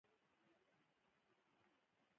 موږ یو بل ته اړتیا لرو.